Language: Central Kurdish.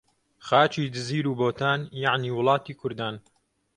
خاکی جزیر و بۆتان، یەعنی وڵاتی کوردان